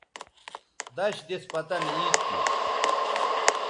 دش دِس پتن عید تھی